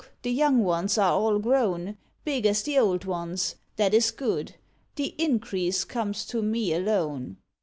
the young ones are all grown Big as the old ones; that is good: The increase comes to me alone."